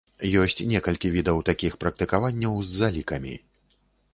Ёсць некалькі відаў такіх практыкаванняў з залікамі.